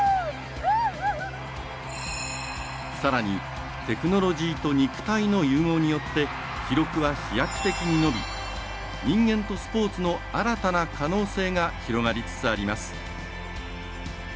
さらに、テクノロジーと肉体の融合によって記録は飛躍的に伸び人間とスポーツの新たな可能性が広がりつつあります。